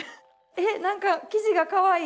え何か生地がかわいい。